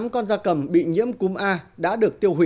hai một trăm một mươi tám con da cầm bị nhiễm cúm a đã được tiêu hủy